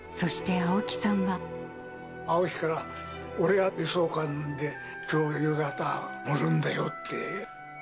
青木から、俺は輸送艦できょう夕方、乗るんだよって。